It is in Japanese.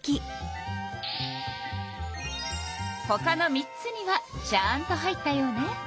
ほかの３つにはちゃんと入ったようね。